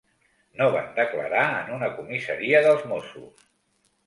No van declarar en una comissaria dels Mossos.